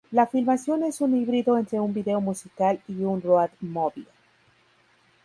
La filmación es en un híbrido entre un video musical y un "road movie".